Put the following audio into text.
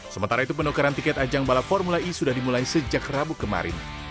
sementara itu penukaran tiket ajang balap formula e sudah dimulai sejak rabu kemarin